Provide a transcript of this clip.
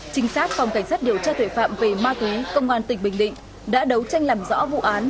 trinh sát phòng cảnh sát điều tra tuệ phạm về ma túy công an tỉnh bình định đã đấu tranh làm rõ vụ án